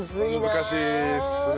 難しいっすね。